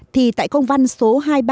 thì tại công văn số hai trăm ba mươi ba